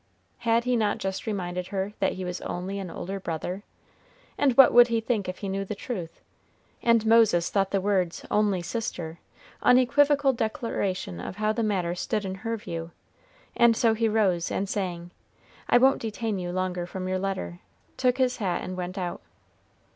Had he not just reminded her that he was only an older brother? and what would he think if he knew the truth? and Moses thought the words only sister unequivocal declaration of how the matter stood in her view, and so he rose, and saying, "I won't detain you longer from your letter," took his hat and went out.